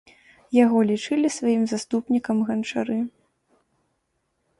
Яго лічылі сваім заступнікам ганчары.